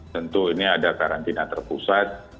tentu ini ada karantina terpusat